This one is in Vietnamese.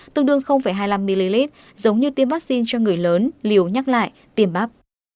tương đương hai mươi năm ml giống như tiêm vaccine cho người lớn liều nhắc lại tiêm bắp